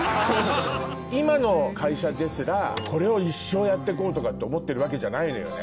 今の会社ですらこれを一生やって行こうとかって思ってるわけじゃないのよね？